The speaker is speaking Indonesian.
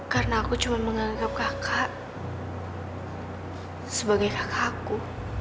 karena aku cuma menganggap kakak sebagai kakakku